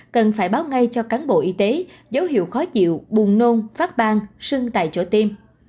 cần phải báo ngay cho cán bộ y tế dấu hiệu khó chịu buồn nôn phát bang sưng tại chỗ tiêm